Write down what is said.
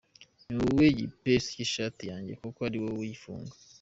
Ni wowe gipesu cy’ishati yajye kuko ari wowe uyifunga.